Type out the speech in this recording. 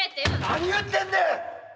何言ってんねん！